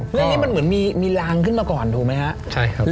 เรื่องนี้มันเหมือนมีรางขึ้นมาก่อนถูกไหมครับ